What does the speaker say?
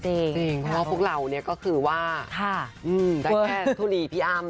เพราะว่าพวกเราเนี่ยก็คือว่าได้แค่ทุลีพี่อ้ำ